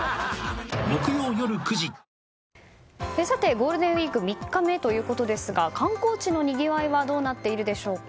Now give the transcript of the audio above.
ゴールデンウィーク３日目ということですが観光地のにぎわいはどうなっているでしょうか。